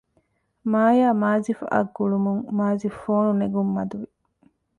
މާޔާ މާޒިފް އަށް ގުޅުމުން މާޒިފް ފޯނު ނެގުން މަދު ވި